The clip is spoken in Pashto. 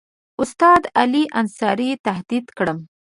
استاد علي انصاري تهدید کړم.